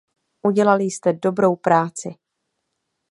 Udělali jste dobrou práci!